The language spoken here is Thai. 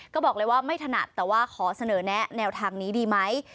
ก็บอกเลยว่าไม่ถนัดแต่ว่าขอเสนอแนะแนวทางนี้ดีไหม